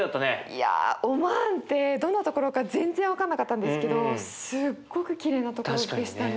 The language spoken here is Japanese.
いやオマーンってどんなところか全然分かんなかったんですけどすっごくきれいなところでしたね。